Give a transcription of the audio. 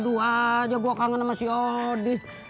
aduh aja gue kangen sama si odi